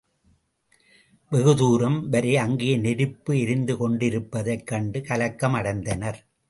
வெகு தூரம் வரை அங்கே நெருப்பு எரிந்து கொண்டிருப்பதைக் கண்டு கலக்கம் அடைந்தனர்.